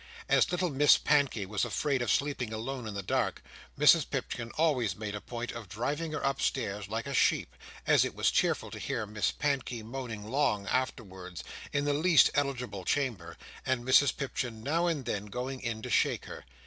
As little Miss Pankey was afraid of sleeping alone in the dark, Mrs Pipchin always made a point of driving her upstairs herself, like a sheep; and it was cheerful to hear Miss Pankey moaning long afterwards, in the least eligible chamber, and Mrs Pipchin now and then going in to shake her.